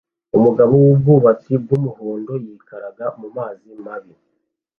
Umugabo wubwato bwumuhondo yikaraga mumazi mabi